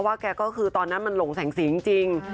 แกก็คือตอนนั้นมันหลงแสงสีจริง